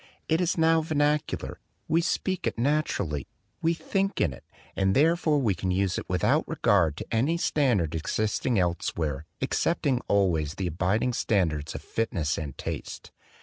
It is now vernacular; we speak it naturally; we think in it; and therefore we can use it without regard to any standard existing elsewhere excepting always the abiding standards of fitness and taste.